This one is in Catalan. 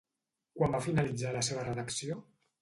Quan va finalitzar la seva redacció?